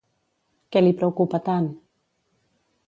Què li preocupa tant?